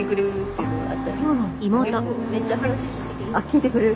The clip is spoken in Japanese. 聞いてくれる？